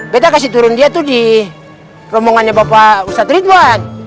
beda kasih turun dia tuh di rombongannya bapak ustadz ridwan